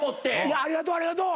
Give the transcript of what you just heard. ありがとうありがとう。